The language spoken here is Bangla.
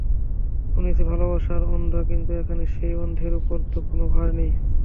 শুনেছি, ভালোবাসা অন্ধ, কিন্তু এখানে সেই অন্ধের উপর তো কোনো ভার নেই।